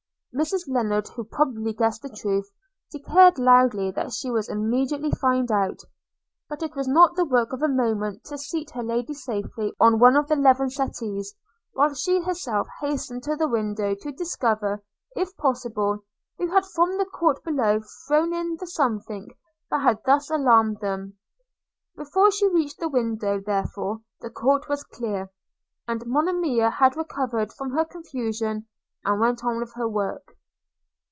Mrs Lennard, who probably guessed the truth, declared loudly that she would immediately find out. – But it was not the work of a moment to seat her lady safely on one of the leathern settees, while she herself hastened to the window to discover, if possible, who had from the court below thrown in the something that had thus alarmed them. Before she reached the window, therefore, the court was clear; and Monimia had recovered from her confusion, and went on with her work.